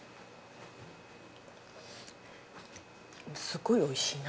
すごいおいしいな。